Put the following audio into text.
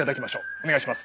お願いします。